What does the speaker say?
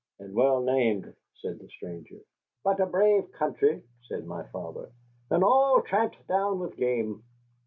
"And well named," said the stranger. "But a brave country," said my father, "and all tramped down with game.